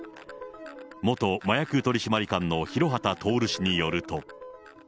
元麻薬取締官の廣畑徹氏によると。